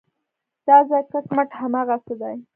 دا ځای کټ مټ هماغسې دی.